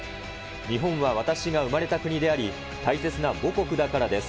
日本は私が生まれた国であり、大切な母国だからです。